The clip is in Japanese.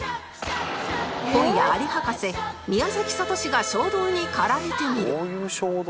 今夜アリ博士宮崎智史が衝動に駆られてみる